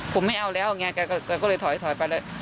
ผมไม่เอาแล้วอย่างเงี้ยแกก็ก็เลยถอยถอยไปเลย